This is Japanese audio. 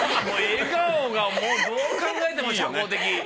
笑顔がもうどう考えても社交的。